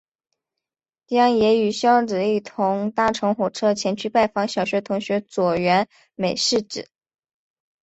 将也与硝子一同搭乘火车前去拜访小学同学佐原美世子。